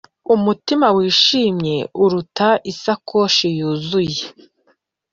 umutima wishimye uruta isakoshi yuzuye